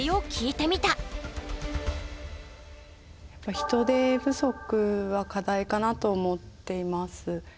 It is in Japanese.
やっぱ人手不足は課題かなと思っています。